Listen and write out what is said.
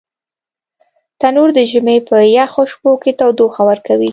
تنور د ژمي په یخو شپو کې تودوخه ورکوي